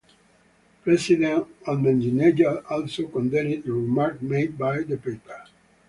President Ahmedinejad also condemned the remark made by the paper.